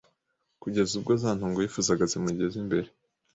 kugeza ubwo za ntongo yifuzaga zimugeze imbere